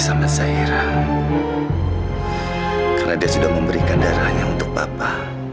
karena dia sudah memberikan darahnya untuk papa